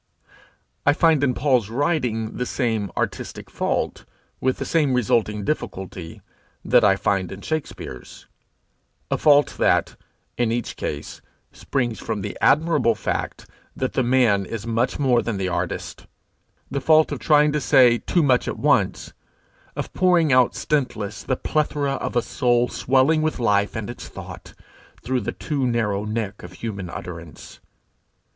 I find in Paul's writing the same artistic fault, with the same resulting difficulty, that I find in Shakspere's a fault that, in each case, springs from the admirable fact that the man is much more than the artist the fault of trying to say too much at once, of pouring out stintless the plethora of a soul swelling with life and its thought, through the too narrow neck of human utterance.